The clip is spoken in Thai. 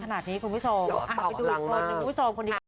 ประกอบรังมาก